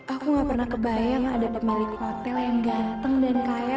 aku gak pernah kebayang ada pemilik hotel yang datang dan kaya